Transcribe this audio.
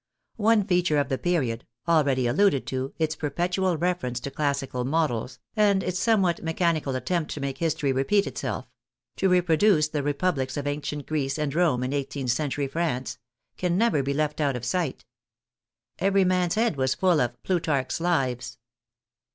One feature of the period, already alluded to, its perpetual reference to classical models, and its somewhat mechani cal attempt to make history repeat itself — ^to reproduce the Republics of ancient Greece and Rome in eighteenth century France — can never be left out of sight. Every man*s head was full of Plutarch's Lives.